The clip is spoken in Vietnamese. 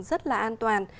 rất là an toàn